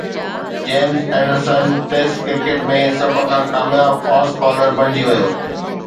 James Anderson test cricket ۾ سڀ کان ڪامياب فاسٽ بالر بڻجي ويو